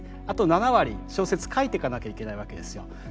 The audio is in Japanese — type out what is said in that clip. あと７割小説書いてかなきゃいけないわけですよ。